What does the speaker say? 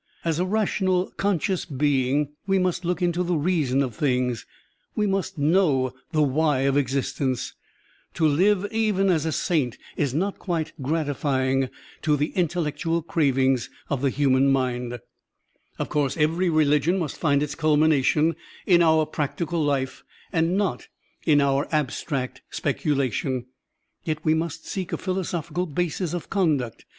As a rational, conscious being, we must look into the reason of things, we must know the why of existence. To live even as a saint is not quite gratifying to the intellectual cravings of Digitized by Google 98 SERMONS OF A BUDDHIST ABBOT the htiman mind. Of course, every religion must find its culmination in our practical life and not in our abstract spectilation. Yet we must seek a philosophical basis of conduct.